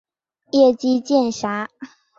叶基渐狭。